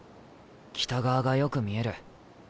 北側がよく見える。